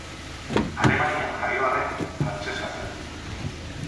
Alemanian jaio arren, frantsesa zen.